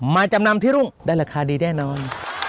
จำนำที่รุ่งได้ราคาดีแน่นอน